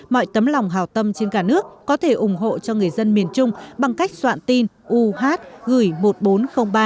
mọi tấm lòng hào tâm trên cả nước có thể ủng hộ cho người dân miền trung bằng cách soạn tin uh gửi một nghìn bốn trăm linh ba